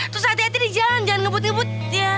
terus hati hati di jalan jangan ngebut ngebut